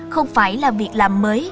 không phải là việc làm mới